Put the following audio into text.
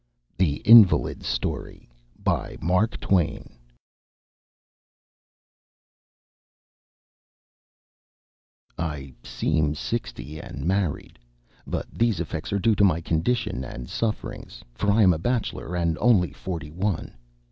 THE INVALID'S STORY I seem sixty and married, but these effects are due to my condition and sufferings, for I am a bachelor, and only forty one.